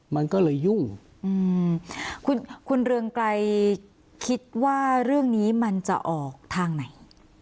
มันก็เลยยุ่งคุณคุณเรืองไกรคิดว่าเรื่องนี้มันจะออกทางไหน